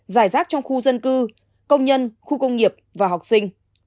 giải rác trong khu dân cư công nhân khu công nghiệp và học sinh